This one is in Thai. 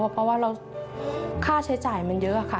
เพราะว่าค่าใช้จ่ายมันเยอะค่ะ